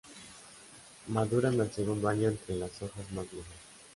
Maduran al segundo año entre las hojas más viejas.